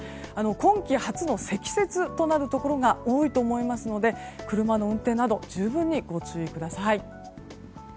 今季初の積雪となるところが多いと思いますので車の運転など十分にご注意ください。